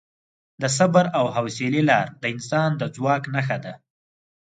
د صبر او حوصلې لار د انسان د ځواک نښه ده.